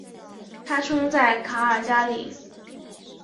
他出生在卡尔加里。